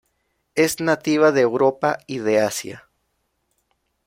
Es nativa de Europa y de Asia.